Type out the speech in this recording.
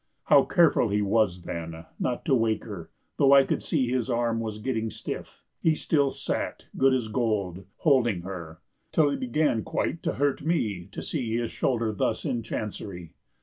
How careful he was, then, not to wake her, though I could see his arm was getting stiff! He still sat, good as gold, holding her, till it began quite to hurt me to see his shoulder thus in chancery.